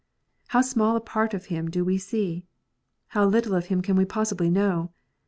How small a part of Him do we see ! How little of Him can we possibly know !